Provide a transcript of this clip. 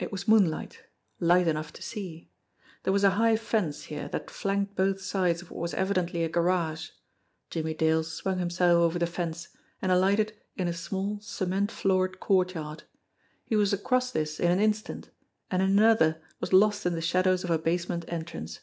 It was moonlight ; light enough to see. There was a high fence here that flanked both sides of what was evidently a garage. Jimmie Dale swung himself over the fence, and alighted in a small, cement floored courtyard. He was across this in an instant, and in another was lost in the shadows of a basement entrance.